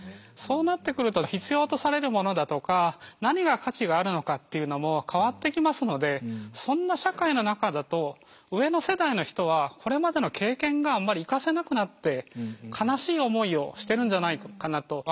そうなってくると必要とされるものだとか何が価値があるのかっていうのも変わってきますのでそんな社会の中だと上の世代の人はこれまでの経験があんまり生かせなくなって悲しい思いをしてるんじゃないかなと。